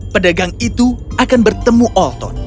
pedagang itu akan bertemu olton